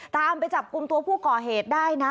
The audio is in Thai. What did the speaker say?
ตามไปจับกลุ่มตัวผู้ก่อเหตุได้นะ